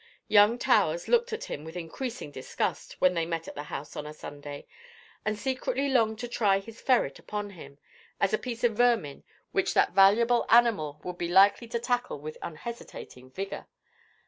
Young Towers looked at him with increasing disgust when they met at the house on a Sunday, and secretly longed to try his ferret upon him, as a piece of vermin which that valuable animal would be likely to tackle with unhesitating vigour.